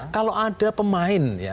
kalau ada pemain ya